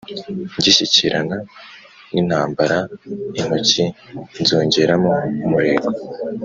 ngishyikirana n'intambara intoki nzongeramo umurego,